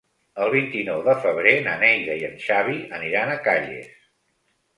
El vint-i-nou de febrer na Neida i en Xavi aniran a Calles.